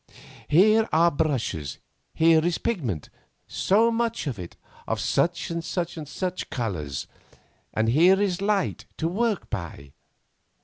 Here are brushes, here is pigment, so much of it, of such and such colours, and here is light to work by.